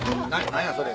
何やそれ。